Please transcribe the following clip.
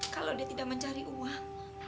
kalau dia tidak mencari uang